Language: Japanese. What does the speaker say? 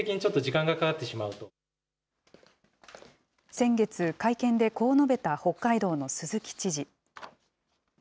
先月、会見でこう述べた北海道の鈴木知事。